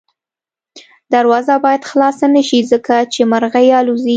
دروازه باید خلاصه نه شي ځکه چې مرغۍ الوځي.